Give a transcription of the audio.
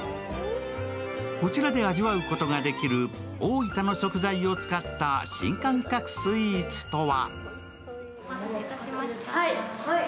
こちらで味わうことができる大分の食材を使った新感覚スイーツとは？